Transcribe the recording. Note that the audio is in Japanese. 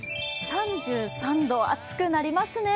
３３度、暑くなりますね。